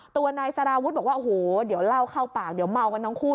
ตัวนายสารวุฒิบอกว่าโอ้โหเดี๋ยวเล่าเข้าปากเดี๋ยวเมากันทั้งคู่